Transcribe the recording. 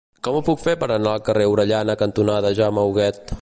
Com ho puc fer per anar al carrer Orellana cantonada Jaume Huguet?